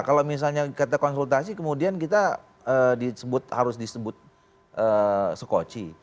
kalau misalnya kita konsultasi kemudian kita harus disebut skoci